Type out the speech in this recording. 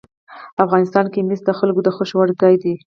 افغانستان کې مس د خلکو د خوښې وړ ځای دی.